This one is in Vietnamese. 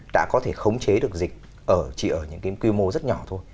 đã có thể khống chế được dịch chỉ ở những cái quy mô rất nhỏ thôi